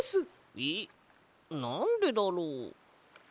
えっなんでだろう？